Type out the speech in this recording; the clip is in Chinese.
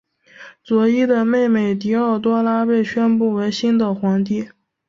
佐伊的妹妹狄奥多拉被宣布为新的皇帝。